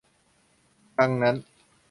ดังนั้น